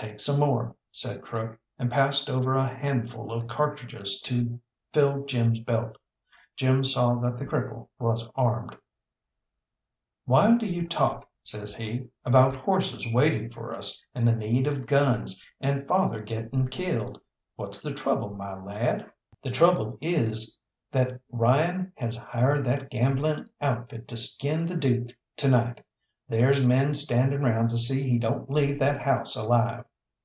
"Take some more," said Crook, and passed over a handful of cartridges to fill Jim's belt. Jim saw that the cripple was armed. "Why do you talk," says he, "about horses waiting for us, and the need of guns, and father getting killed? What's the trouble, my lad?" "The trouble is that Ryan has hired that gambling outfit to skin the Dook to night. There's men standing round to see he don't leave that house alive.